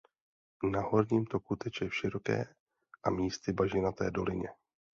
Na horním toku teče v široké a místy bažinaté dolině.